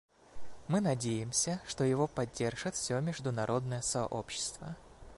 Мы надеемся, что его поддержит все международное сообщество.